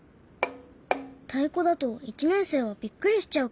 太鼓だと１年生はびっくりしちゃうかも。